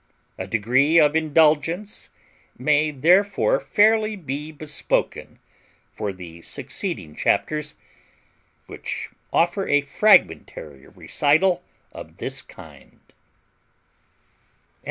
A degree of indulgence may therefore fairly be bespoken for the succeeding chapters, which offer a fragmentary recital of this kind.